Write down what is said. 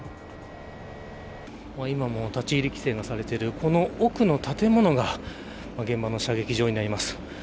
今も立ち入り規制がされている奥の建物が現場の射撃場です。